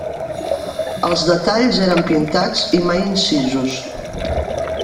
Els detalls eren pintats i mai incisos.